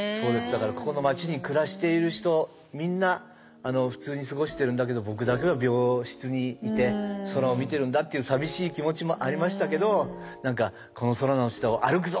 だからここの町に暮らしている人みんな普通に過ごしてるんだけど僕だけは病室にいて空を見てるんだっていう寂しい気持ちもありましたけど何かこの空の下を歩くぞっていう気持ちの写真ですね。